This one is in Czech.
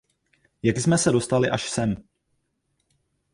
Jak jsme se dostali až sem?